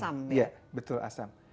asam iya betul asam